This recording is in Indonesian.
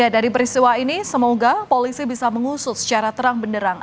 dari peristiwa ini semoga polisi bisa mengusut secara terang benderang